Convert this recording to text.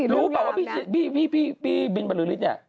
รู้ป่ะว่าพี่บิลบรรลือฤทธิ์เนี่ย